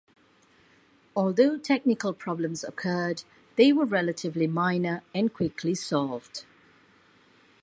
Although technical problems occurred, they were relatively minor and quickly solved.